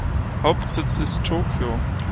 Hauptsitz ist Tokio.